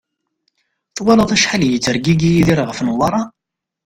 Twalaḍ acḥal i yettergigi Yidir ɣef Newwara?